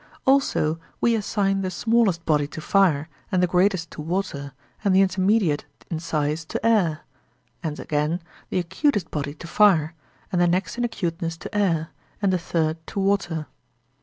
Also we assign the smallest body to fire, and the greatest to water, and the intermediate in size to air; and, again, the acutest body to fire, and the next in acuteness to air, and the third to water.